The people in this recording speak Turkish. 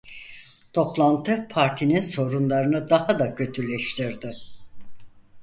Toplantı partinin sorunlarını daha da kötüleştirdi.